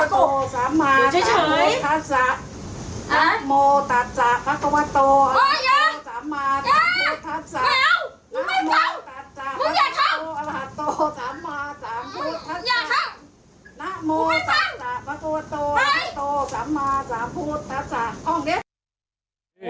ตายล่ะน้อฉัน